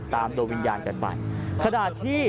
ตามโดยวิญญาณกันไป